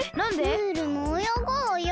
ムールもおよごうよ。